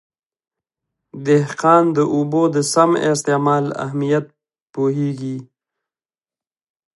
دهقان د اوبو د سم استعمال اهمیت پوهېږي.